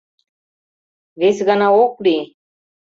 — Вес гана ок лий!